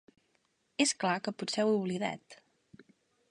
És clar que potser ho he oblidat.